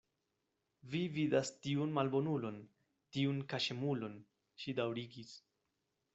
Vi vidas tiun malbonulon, tiun kaŝemulon, ŝi daŭrigis.